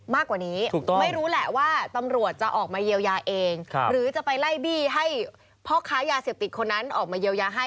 มากกว่านี้ไม่รู้แหละว่าตำรวจจะออกมาเยียวยาเองหรือจะไปไล่บี้ให้พ่อค้ายาเสพติดคนนั้นออกมาเยียวยาให้